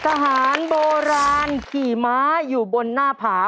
ทหารโบราณขี่ม้าอยู่บนหน้าผา